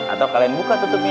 atau kalian buka tutupnya